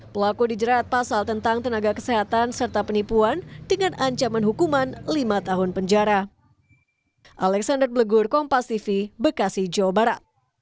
pelaku dijerat pasal tentang tenaga kesehatan serta penipuan dengan ancaman hukuman lima tahun penjara